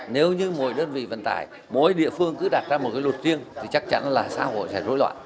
nếu như mỗi đơn vị vận tải mỗi địa phương cứ đặt ra một cái luật riêng thì chắc chắn là xã hội sẽ rối loạn